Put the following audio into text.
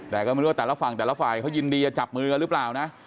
แต่ก็ไม่รู้ว่าแต่ละฝั่งแต่ละฝ่ายเขายินดีจะจับมือกันหรือเปล่านะ